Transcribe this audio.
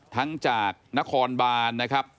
ทั้งจากนครบานนะครับ